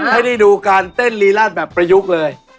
ให้ได้ดูการเต้นรีราชแบบประยุกต์เลย